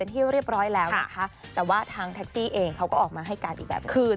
แต่ว่าทางแท็กซี่เองเขาก็ออกมาให้การอีกแบบนึง